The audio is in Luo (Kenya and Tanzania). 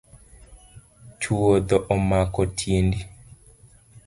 Chwodho omako tiendi.